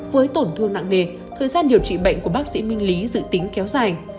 với tổn thương nặng nề thời gian điều trị bệnh của bác sĩ minh lý dự tính kéo dài